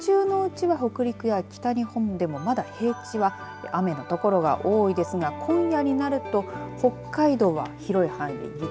このあと日中のうちは北陸や北日本でもまだ平地は雨の所が多いですが今夜になると北海道は広い範囲で雪。